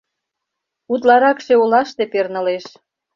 Утларакше олаште пернылеш.